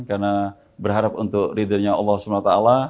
karena berharap untuk ridernya allah swt